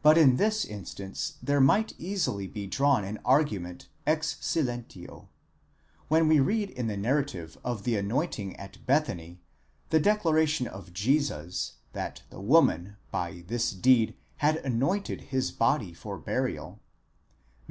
But in this instance there might easily be drawn an argument ex si/entio, When we read in the narrative of the anointing at Bethany the declaration of Jesus, that the woman by this deed had anointed his body for burial (Matt.